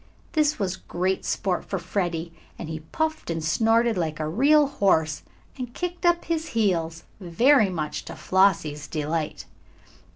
This was great sport for Freddie, and he puffed and snorted like a real horse, and kicked up his heels, very much to Flossie's delight.